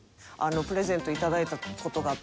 プレゼント頂いた事があって。